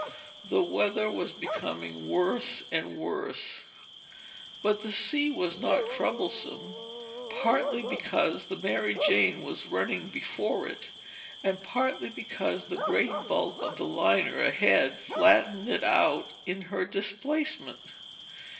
The weather was becoming worse and worse, but the sea was not troublesome; partly because the Mary Jane was running before it and partly because the great bulk of the liner ahead flattened it out in her displacement.